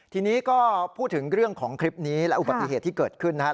ทีนี้ก็พูดถึงเรื่องของคลิปนี้และอุบัติเหตุที่เกิดขึ้นนะครับ